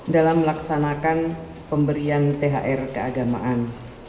dalam melaksanakan pemberian thr keagamaan